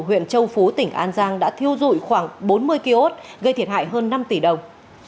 huyện châu phú tỉnh an giang đã thiêu dụi khoảng bốn mươi kiosk gây thiệt hại hơn năm tỷ đồng